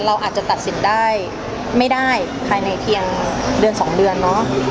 เราอาจจะตัดสินได้ไม่ได้ภายในเพียงเดือน๒เดือนเนอะ